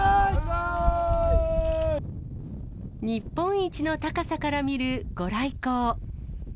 日本一の高さから見る御来光。